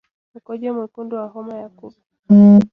Mkonjo Mwekundu wa homa ya kupe